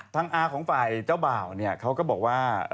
ทางอาของฝ่ายเจ้าบ่าวเขาก็บอกว่า